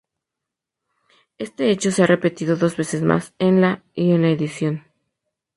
Este hecho se ha repetido dos veces más, en la y en la edición.